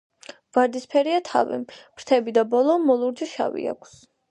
ვარდისფერია, თავი, ფრთები და ბოლო მოლურჯო-შავი აქვს.